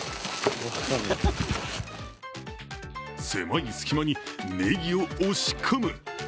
狭い隙間にネギを押し込む。